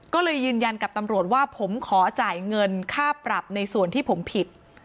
ก็เลยยืนยันกับตำรวจว่าผมขอจ่ายเงินค่าปรับในส่วนที่ผมผิด